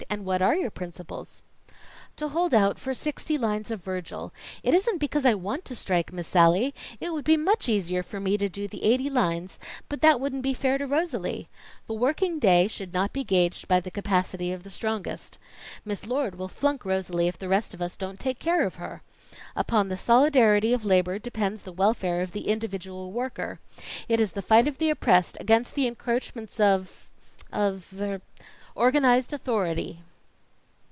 "And what are your principles?" "To hold out for sixty lines of Virgil. It isn't because I want to strike, Miss Sallie. It would be much easier for me to do the eighty lines, but that wouldn't be fair to Rosalie. The working day should not be gaged by the capacity of the strongest. Miss Lord will flunk Rosalie if the rest of us don't take care of her. Upon the solidarity of labor depends the welfare of the individual worker. It is the fight of the oppressed against the encroachments of of er organized authority."